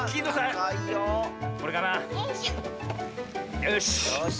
よし。